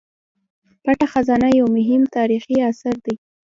پټه خزانه یو مهم تاریخي اثر دی.